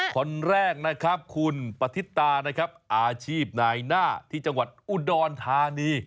คนแรกนะครับคุณปฏิตานะครับอาชีพนายหน้าที่จังหวัดอุดรธานี